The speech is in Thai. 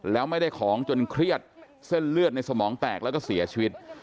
แล้วไม่ได้ของจนเครียดเส้นเลือดในสมองแตกแล้วก็เสียชีวิต